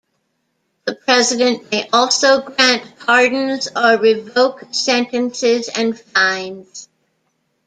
The president may also grant pardons or revoke sentences and fines.